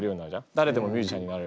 誰でもミュージシャンになれる。